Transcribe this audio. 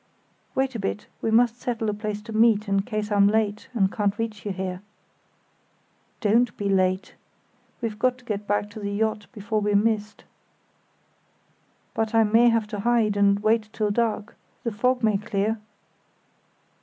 "Wait a bit, we must settle a place to meet at in case I'm late and can't reach you here." "Don't be late. We've got to get back to the yacht before we're missed." "But I may have to hide and wait till dark—the fog may clear."